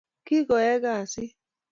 Ki kwoeng gasi